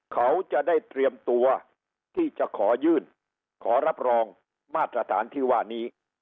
เขาจะได้เตรียมตัวที่จะขอยื่นขอรับรองมาตรฐานที่ว่านี้